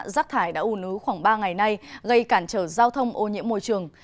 rác thải đã ủn ứu khoảng ba ngày nay gây cản trở giao thông ô nhiễm môi trường